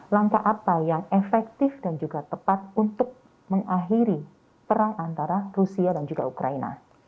langkah apa yang efektif dan juga tepat untuk mengakhiri perang antara rusia dan juga ukraina